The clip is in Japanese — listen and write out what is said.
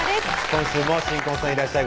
今週も新婚さんいらっしゃい！